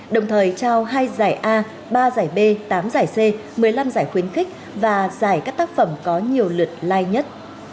đồng thời trao hai giải a ba giải b tám giải c một mươi năm giải khuyến khích và giải các tác phẩm có nhiều lượt like nhất